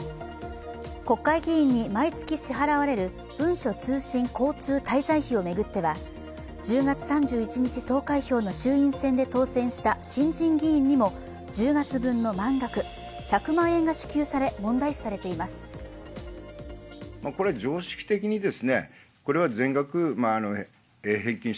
国会議員に毎月支払われる文書通信交通滞在費を巡っては１０月３１日投開票の衆院選で当選した新人議員にも１０月分の満額、１００万円が支給され、問題視されています。